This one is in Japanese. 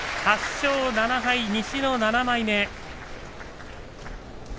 ８勝７敗、西の７枚目。